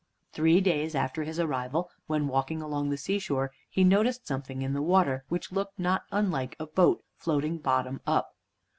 Three days after his arrival, when walking along the seashore, he noticed something in the water which looked not unlike a boat floating bottom up.